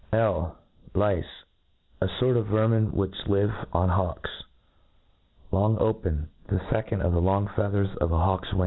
' L Lice J a Tort of verminc which live on hawks Longopen ; the fecond of the long feathers of a ' hawk's wings